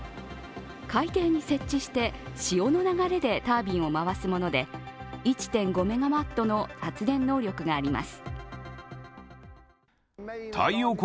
海底に設置して潮の流れでタービンを回すもので、１．５メガワットの発電能力があります。